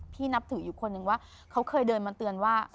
นับถืออยู่คนนึงว่าเขาเคยเดินมาเตือนว่า